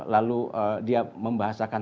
lalu dia membahasakan